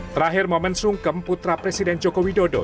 terakhir momen sungkem putra presiden joko widodo